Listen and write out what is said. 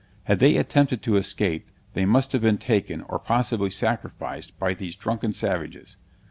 Had they attempted to escape they must have been taken, and possibly sacrificed, by these drunken savages.